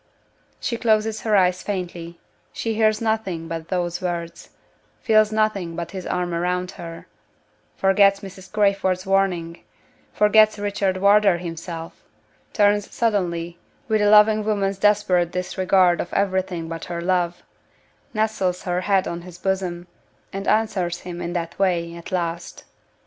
She closes her eyes faintly she hears nothing but those words feels nothing but his arm round her forgets Mrs. Crayford's warning forgets Richard Wardour himself turns suddenly, with a loving woman's desperate disregard of everything but her love nestles her head on his bosom, and answers him in that way, at last!